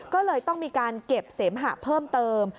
ก็เลยต้องมีการเก็บเสมหะเพิ่มเติม